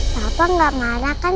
papa gak marah kan